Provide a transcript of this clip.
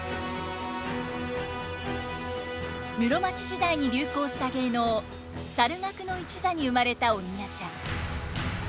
室町時代に流行した芸能猿楽の一座に生まれた鬼夜叉。